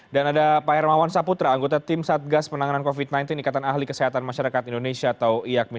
dan ada pak ermawan saputra anggota tim satgas penanganan covid sembilan belas ikatan ahli kesehatan masyarakat indonesia atau iakmis